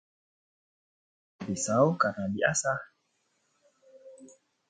Tajam pisau karena diasah